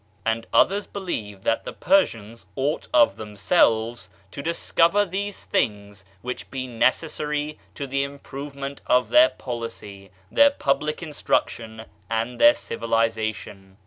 And others believe that the Persians ought of themselves to discover these things which be neces sary to the improvement of their policy, their public instruction, and their civilization.